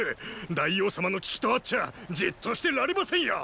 大王様の危機とあっちゃじっとしてられませんよ！